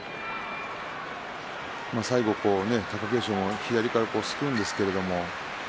最後、貴景勝左からすくうんですけど。